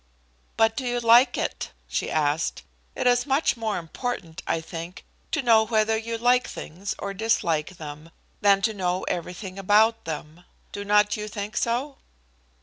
"But do you like it?" she asked. "It is much more important, I think, to know whether you like things or dislike them, than to know everything about them. Do not you think so?"